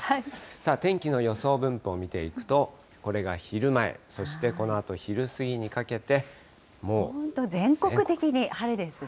さあ天気の予想分布を見ていきますと、これが昼前、そしてこのあ本当全国的に晴れですね。